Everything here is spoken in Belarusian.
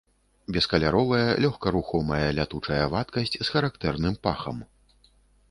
Бескаляровая лёгкарухомая лятучая вадкасць з характэрным пахам.